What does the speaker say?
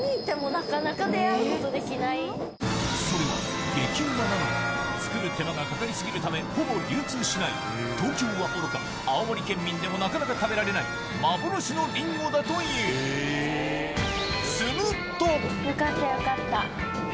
それは激ウマなのに作る手間が掛かり過ぎるためほぼ流通しない東京はおろか青森県民でもなかなか食べられない幻のリンゴだというよかったよかった。